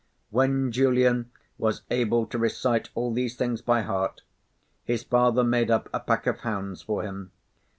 When Julian was able to recite all these things by heart, his father made up a pack of hounds for him.